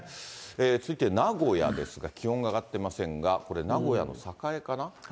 続いて名古屋ですが、気温が上がってませんが、これ、名古屋の栄かな？